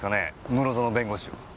室園弁護士を。